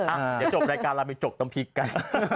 อ่ะเดี๋ยวจบรายการเราไปจกน้ำพริกกัน